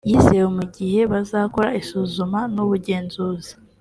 yizewe mu gihe bakora isuzuma n’ubugenzuzi